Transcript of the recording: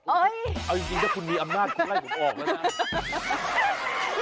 เอาจริงถ้าคุณมีอำนาจคุณไล่ผมออกแล้วนะ